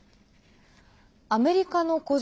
アメリカの個人